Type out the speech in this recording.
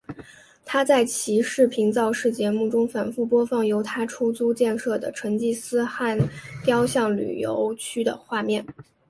他在其视频造势节目中反复播放由他出资建设的成吉思汗雕像综合旅游区的画面。